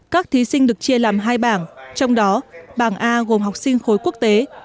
các thí sinh được chia làm hai bảng trong đó bảng a gồm học sinh khối quốc tế